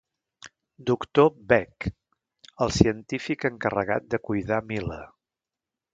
Doctor Beck: el científic encarregat de cuidar Mila.